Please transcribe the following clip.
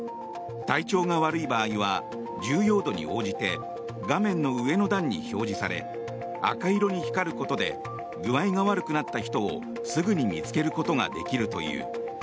体調が悪い場合は重要度に応じて画面の上の段に表示され赤色に光ることで具合が悪くなった人をすぐに見つけることができるという。